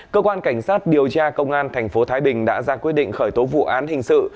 cơ quan cảnh sát điều tra công an tp thái bình đã ra quyết định khởi tố vụ án hình sự